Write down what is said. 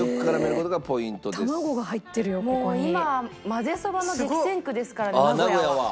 もう今まぜそばの激戦区ですからね名古屋は。